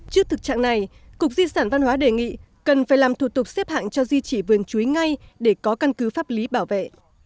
trước thực trạng này cục di sản văn hóa đề nghị cần phải làm thủ tục xếp hạng cho di trị vườn chuối ngay để có căn cứ pháp lý bảo vệ